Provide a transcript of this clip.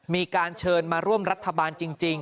มีการเชิญมาร่วมรัฐบาลจริง